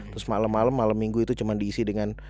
terus malem malem malem minggu itu cuman diisi dengan